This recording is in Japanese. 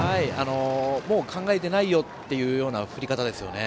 もう考えてないよというような振り方ですよね。